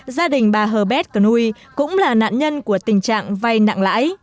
gia đình bà hờ bét cờ nui cũng là nạn nhân của tình trạng vay nặng lãi